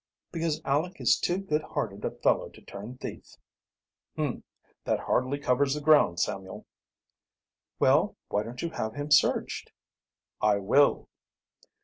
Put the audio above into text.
"Because Aleck is too good hearted a fellow to turn thief." "Hum! That hardly covers the ground, Samuel." "Well, why don't you have him searched?" "I will."